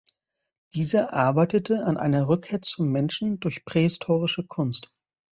Dieser arbeitete an einer „Rückkehr zum Menschen“ durch prähistorische Kunst.